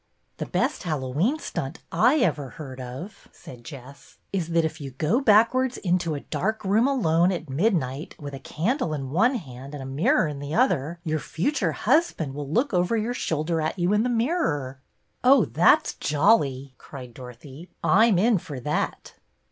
" The best Hallowe'en stunt I ever heard of," said Jess, " is that if you go back wards into a dark room alone, at midnight, with a candle in one hand and a mirror in the other, your future husband will look over your shoulder at you in the mirror." HALLOWE'EN 119 " Oh, that 's jolly," cried Dorothy. " I 'm in for that."